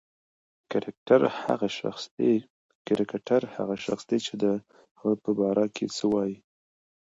کرکټر هغه شخص دئ، چي د هغه په باره کښي څه وايي.